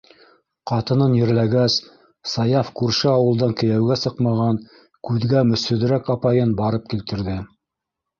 Ҡатынын ерләгәс, Саяф күрше ауылдан кейәүгә сыҡмаған, күҙгә мөсһөҙөрәк апайын барып килтерҙе.